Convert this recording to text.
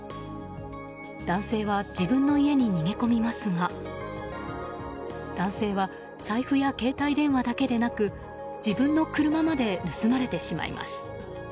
男性は自分の家に逃げ込みますが男性は財布や携帯電話だけでなく自分の車まで盗まれてしまいます。